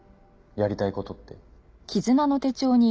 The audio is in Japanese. やりたい事って？